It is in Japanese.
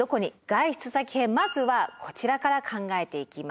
外出先編まずはこちらから考えていきます。